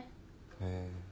へえ。